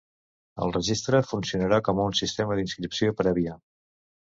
El registre funcionarà com un sistema d’inscripció prèvia.